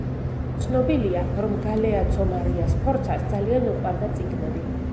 ცნობილია, რომ გალეაცო მარია სფორცას ძალიან უყვარდა წიგნები.